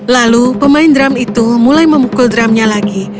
lalu pemain drum itu mulai memukul drumnya lagi